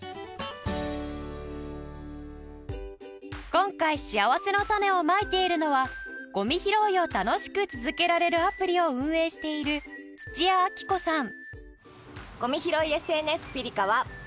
今回しあわせのたねをまいているのはごみ拾いを楽しく続けられるアプリを運営している土屋明子さん